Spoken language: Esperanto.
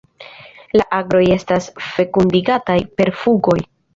La agroj estas fekundigataj per fukoj.